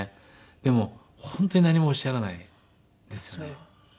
でも本当に何もおっしゃらないんですよね。